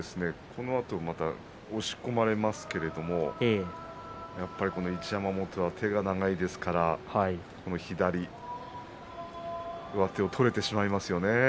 このあと押し込まれますけれども一山本は手が長いですからこの左上手取れてしまいますよね。